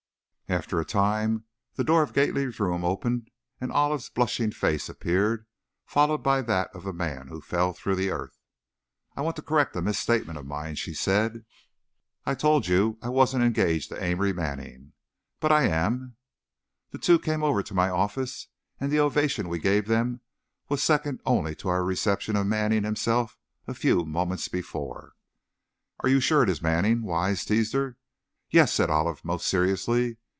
After a time, the door of the Gately room opened, and Olive's blushing face appeared, followed by that of the Man Who Fell Through the Earth. "I want to correct a misstatement of mine," she said; "I told you I wasn't engaged to Amory Manning but, I am!" The two came over to my office, and the ovation we gave them was second only to our reception of Manning himself a few moments before. "Are you sure it is Manning?" Wise teased her. "Yes," said Olive, most seriously.